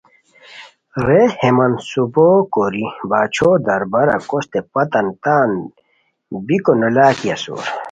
رے ہے منصوبو کوری باچھو دربارا کوستے پتہ تان بیکو نولاکی اسور